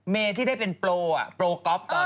เมที่ได้เป็นโปร่อ่ะโปร่าก๊อฟตอนนี้